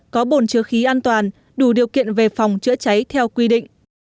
có bồn chứa khí an toàn đủ điều kiện về phòng chữa cháy theo quy định